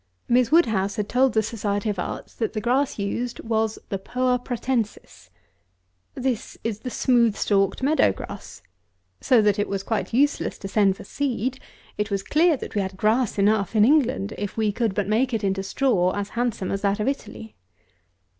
Miss WOODHOUSE had told the Society of Arts, that the grass used was the Poa Pratensis. This is the smooth stalked meadow grass. So that it was quite useless to send for seed. It was clear, that we had grass enough in England, if we could but make it into straw as handsome as that of Italy.